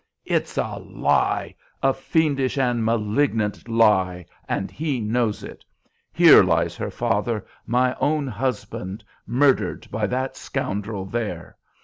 "It's a lie, a fiendish and malignant lie, and he knows it. Here lies her father, my own husband, murdered by that scoundrel there.